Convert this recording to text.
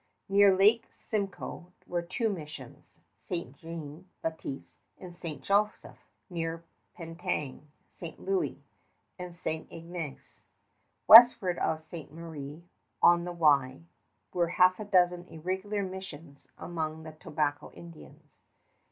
Near Lake Simcoe were two missions, St. Jean Ba'tiste and St. Joseph; near Penetang, St. Louis, and St. Ignace. Westward of Ste. Marie on the Wye were half a dozen irregular missions among the Tobacco Indians.